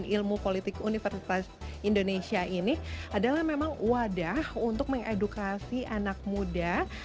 ilmu politik universitas indonesia ini adalah memang wadah untuk mengedukasi anak muda